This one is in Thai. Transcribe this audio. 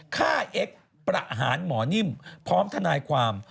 เอ็กซ์ประหารหมอนิ่มพร้อมทนายความ